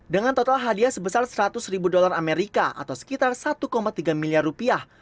dengan total hadiah sebesar seratus ribu dolar amerika atau sekitar satu tiga miliar rupiah